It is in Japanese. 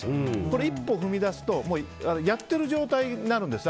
これ一歩を踏み出すとやってる状態になるんです。